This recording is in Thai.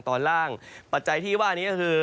ตอนล่างปัจจัยที่ว่านี้ก็คือ